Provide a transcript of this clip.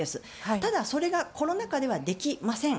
ただ、それがコロナ禍ではできません。